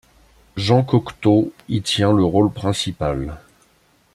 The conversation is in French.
Jean Cocteau y tient le rôle principal.